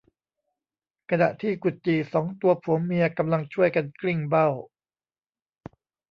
ขณะที่กุดจี่สองตัวผัวเมียกำลังช่วยกันกลิ้งเบ้า